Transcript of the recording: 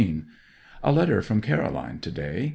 A letter from Caroline to day.